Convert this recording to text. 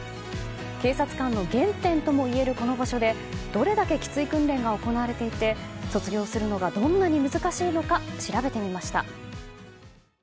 警察官の原点ともいえるこの場所でどれだけきつい訓練が行われていて卒業するのがどんなに難しいのか調べてみました。